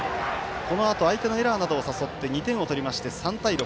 このあと相手のエラーなどを誘って２点を取りまして、３対６。